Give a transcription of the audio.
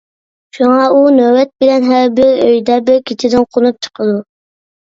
شۇڭا ئۇ نۆۋەت بىلەن ھەر بىر ئۆيدە بىر كېچىدىن قونۇپ چىقىدۇ.